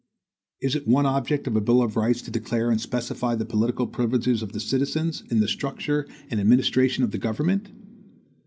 Is it one object of a bill of rights to declare and specify the political privileges of the citizens in the structure and administration of the government?